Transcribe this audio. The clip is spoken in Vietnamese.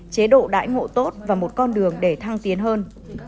chế độ đãi ngộ tốt và một con đường để thăng tiến hơn